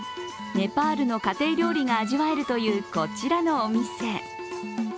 ネパールの家庭料理が味わえるという、こちらのお店。